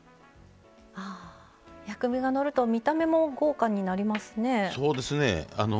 薬味がのると見た目も豪華になりますね。